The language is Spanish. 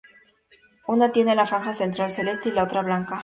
Una tiene la franja central celeste, y la otra, blanca.